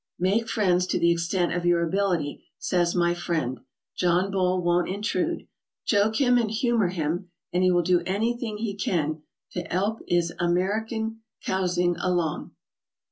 "Make friends to the extent of your ability," says my friend. John Bull won't intrude. Joke him and humor him and he will do anything he can to 'elp 'is Hamerican cousing along."